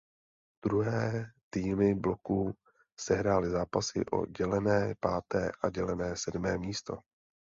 Druhé týmy bloků sehrály zápasy o dělené páté a dělené sedmé místo.